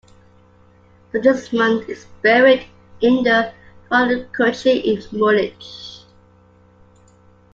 Sigismund is buried in the Frauenkirche in Munich.